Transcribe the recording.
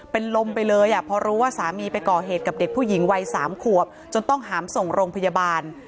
เป็นลมไปเลยอ่ะพอรู้ว่าสามีไปก่อเหตุกับเด็กผู้หญิงวัย๓ขวบจนต้องหามส่งโรงพยาบาล